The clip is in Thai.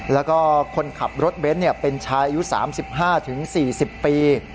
แล้วก็คนขับรถเบนท์เป็นชายอายุ๓๕๔๐ปี